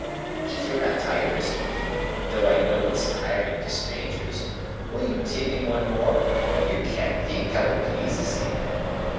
If you're not tired, Mr. Pip—though I know it's tiring to strangers—will you tip him one more? You can't think how it pleases him."